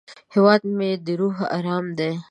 هیواد مې د روح ارام دی